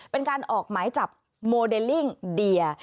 เป็นการออกหมายจับโมเดลลิ่งเดีย